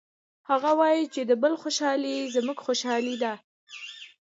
هغه وایي چې د بل خوشحالي زموږ خوشحالي ده